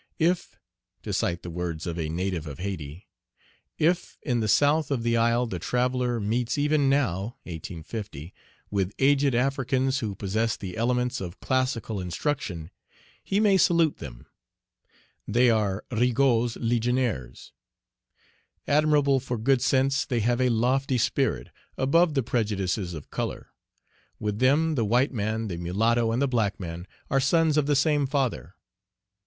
"If" to cite the words of a native of Hayti, "if in the south of the isle the traveller meets even now (1850) with aged Africans who possess the elements of classical instruction, he may salute them; they are Rigaud's legionaries. Admirable for good sense, they have a lofty spirit, above the prejudices of color; with them, the white man, the mulatto, and the black man, are sons of the same Father.